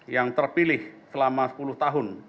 yang terpilih selama sepuluh tahun